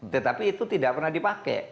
tetapi itu tidak pernah dipakai